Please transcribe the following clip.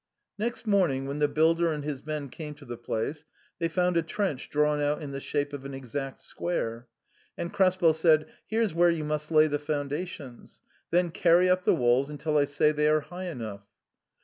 Next morning, when the builder and his men came to the place, they found a trench drawn out in the shape of an exdct square ; and Krespel said, " Here's where you must lay the foundations ; then carry up the walls until I say they are high enough."